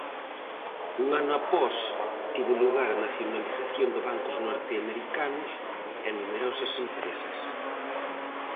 Un ano após tivo lugar a nacionalización de bancos norteamericanos e numerosas empresas.